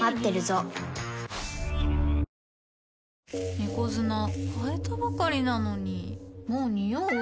猫砂替えたばかりなのにもうニオう？